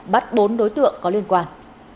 bắt bốn đối tượng có liên quan